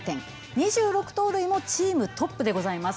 ２６盗塁もチームトップでございます。